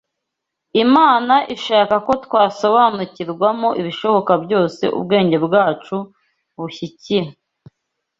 Imana ishaka ko twasobanukirwamo ibishoboka byose ubwenge bwacu bushyikira